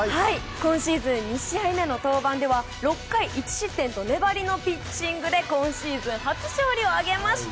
今シーズン２試合目の登板では６回１失点と粘りのピッチングで今シーズン初勝利を挙げました。